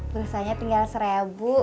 pingsannya tinggal seribu